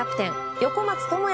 横松誠也